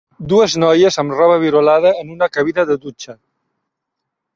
Dues noies amb roba virolada en una cabina de dutxa.